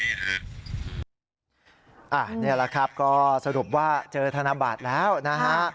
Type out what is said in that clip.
นี่แหละครับก็สรุปว่าเจอธนบัตรแล้วนะฮะ